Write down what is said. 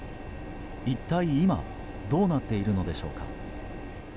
一体、今どうなっているのでしょうか。